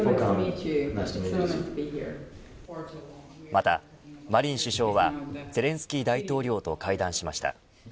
また、マリン首相はゼレンスキー大統領と会談しました。